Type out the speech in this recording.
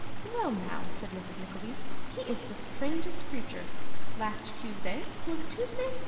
'Well now,' said Mrs. Nickleby, 'he is the strangest creature! Last Tuesday was it Tuesday?